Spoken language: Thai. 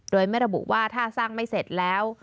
โดยไม่ระบุว่าถ้าสร้างไม่เสร็จแล้ว